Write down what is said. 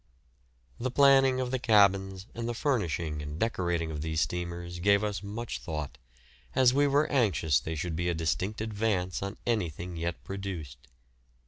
The planning of the cabins and the furnishing and decorating of these steamers gave us much thought, as we were anxious they should be a distinct advance on anything yet produced.